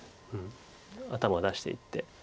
頭を出していって。